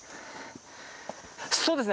そうですね。